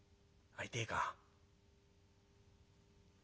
会いてえか？」。